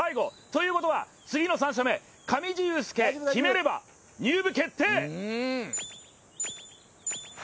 ということは、次の３射目、上地雄輔が決めれば入部決定。